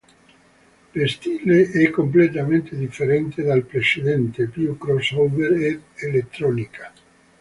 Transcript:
Lo stile è completamente differente dal precedente, più cross-over ed elettronica.